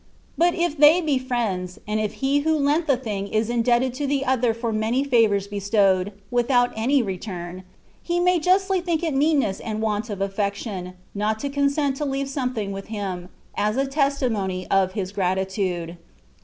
But if they be friends, and if he who lent the thing is indebted to the other for many favours bestowed, without any return, he may justly think it meanness and want of affection, not to consent to leave some thing with him, as a testimony of his gratitude.